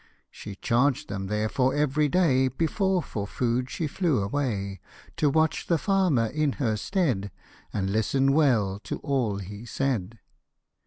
She charged them therefore every day, Before for food she flew away, To watch the farmer in her stead, And listen well to all he said.